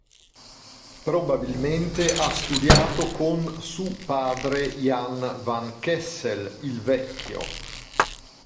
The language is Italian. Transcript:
Probabilmente ha studiato con su padre Jan van Kessel il Vecchio.